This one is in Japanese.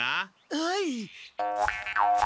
はい。